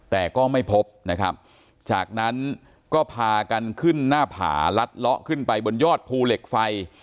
แต่ก็ไม่พบนะครับจากนั้นก็พากันขึ้นหน้าผาลัดเลาะขึ้นไปบนยอดภูเหล็กไฟ